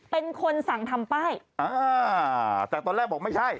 เป็นคนสั่งทำป้ายอ่าแต่ตอนแรกบอกไม่ใช่